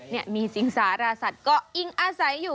นี่มีสิงสารสัตว์ก็อิงอาศัยอยู่